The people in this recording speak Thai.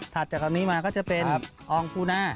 ถัดจากตรงนี้มาก็จะเป็นอองปูนา